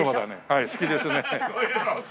はい好きですね。